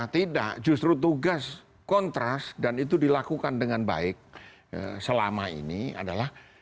tidak justru tugas kontras dan itu dilakukan dengan baik selama ini adalah